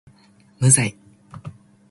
無罪